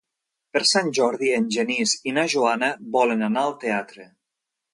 Per Sant Jordi en Genís i na Joana volen anar al teatre.